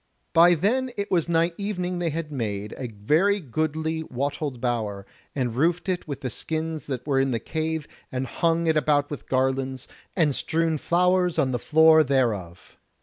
By then it was nigh evening they had made a very goodly wattled bower, and roofed it with the skins that were in the cave, and hung it about with garlands, and strewn flowers on the floor thereof.